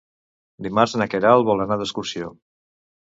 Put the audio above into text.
Dimarts na Queralt vol anar d'excursió.